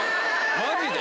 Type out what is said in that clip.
マジで？